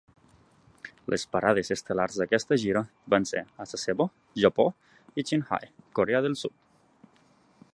Les parades estel·lars d'aquesta gira van ser a Sasebo, Japó i Chinhae, Corea del Sud.